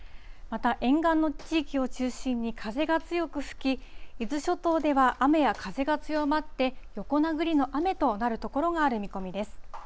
また沿岸の地域を中心に風が強く吹き、伊豆諸島では雨や風が強まって、横殴りの雨となる所がある見込みです。